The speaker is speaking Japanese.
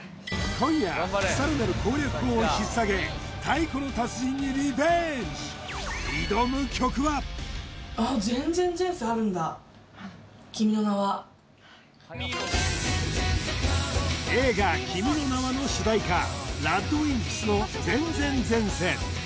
今夜さらなる攻略法をひっさげ君の前前前世から僕は映画「君の名は。」の主題歌ＲＡＤＷＩＭＰＳの「前前前世」